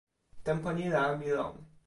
tenpo ni la mi lon.